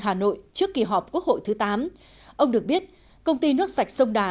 hà nội trước kỳ họp quốc hội thứ tám ông được biết công ty nước sạch sông đà